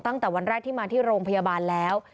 ตั้งแต่วันแรกที่มาที่โรงพยาบาลแล้ว